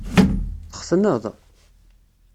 Txetneḍ?